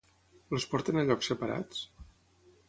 Els porten a llocs separats?